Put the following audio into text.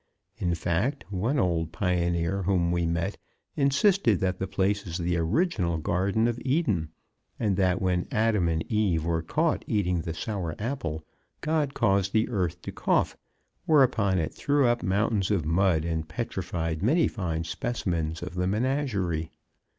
In fact, one old pioneer whom we met insisted that the place is the original Garden of Eden, and that when Adam and Eve were caught eating the sour apple, God caused the earth to cough, whereupon it threw up mountains of mud and petrified many fine specimens of the menagerie.